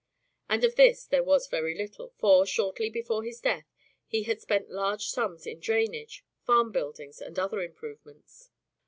And of this there was very little, for, shortly before his death, he had spent large sums in drainage, farm buildings, and other improvements.